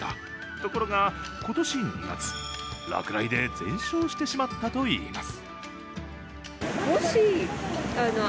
ところが、今年２月、落雷で全焼してしまったといいます。